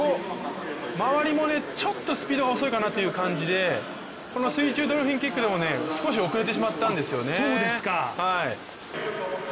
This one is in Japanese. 周りもちょっとスピードが遅いかなって感じで水中ドルフィンキックでも少し遅れてしまったんですよね。